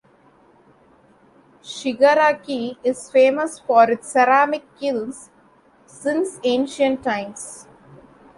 Shigaraki is famous for its ceramic kilns since ancient times.